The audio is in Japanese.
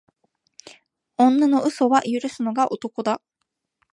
女の嘘は許すのが男だ。